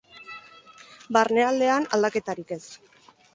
Barnealdean, aldaketarik ez.